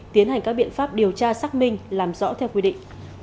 tiến hành các biện pháp điều tra xác minh làm rõ theo quy định